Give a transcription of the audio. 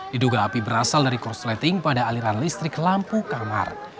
diduga api berasal dari korsleting pada aliran listrik lampu kamar